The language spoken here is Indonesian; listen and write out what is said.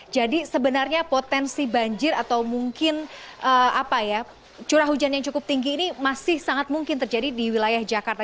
jadi sebenarnya potensi banjir atau mungkin apa ya curah hujan yang cukup tinggi ini masih sangat mungkin terjadi di wilayah jakarta